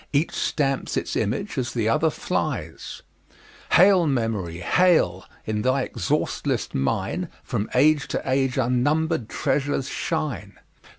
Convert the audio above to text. Each stamps its image as the other flies! Hail, memory, hail! in thy exhaustless mine From age to age unnumber'd treasures shine!